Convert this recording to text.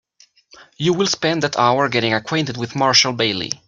You will spend that hour getting acquainted with Marshall Bailey.